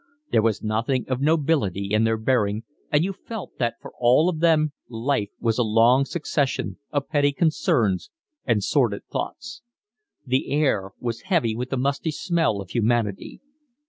There was nothing of nobility in their bearing, and you felt that for all of them life was a long succession of petty concerns and sordid thoughts. The air was heavy with the musty smell of humanity.